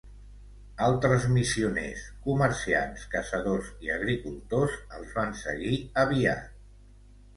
Altres missioners, comerciants, caçadors i agricultors els van seguir aviat.